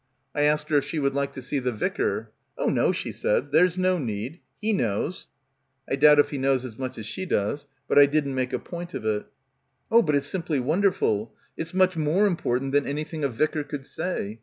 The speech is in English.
I asked her if she would like to see the vicar. 'Oh no/ she said, 'there's no need. He knows. 9 I doubt if he knows as much as she does. But I didn't make a point of it." "Oh, but it's simply wonderful. It's much more important than anything a vicar could say.